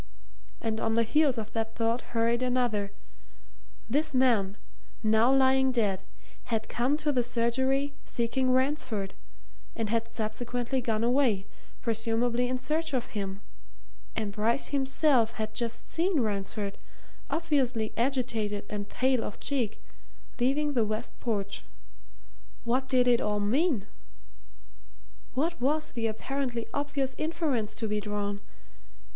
And on the heels of that thought hurried another this man, now lying dead, had come to the surgery, seeking Ransford, and had subsequently gone away, presumably in search of him, and Bryce himself had just seen Ransford, obviously agitated and pale of cheek, leaving the west porch; what did it all mean? what was the apparently obvious inference to be drawn?